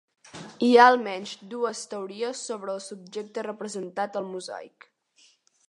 Hi ha almenys dues teories sobre el subjecte representat al mosaic.